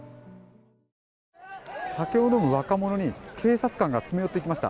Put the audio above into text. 酒を飲む若者に警察官が詰め寄っていきました。